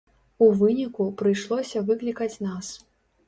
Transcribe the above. У выніку, прыйшлося выклікаць нас.